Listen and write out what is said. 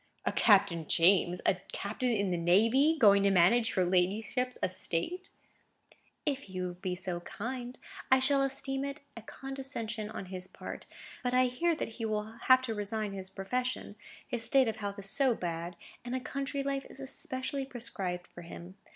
"A Captain James! A captain in the navy! going to manage your ladyship's estate!" "If he will be so kind. I shall esteem it a condescension on his part; but I hear that he will have to resign his profession, his state of health is so bad, and a country life is especially prescribed for him.